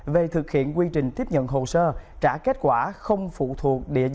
về thực hiện quy trình tiếp nhận hồ sơ trả kết quả không phụ thuộc địa